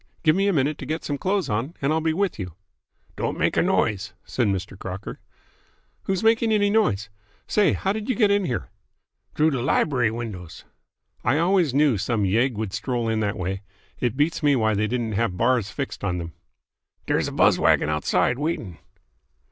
Give me a minute to get some clothes on, and I'll be with you." "Don't make a noise," said Mr. Crocker. "Who's making any noise? Say, how did you get in here?" "T'roo de libery windows." "I always knew some yegg would stroll in that way. It beats me why they didn't have bars fixed on them." "Dere's a buzz wagon outside, waitin'."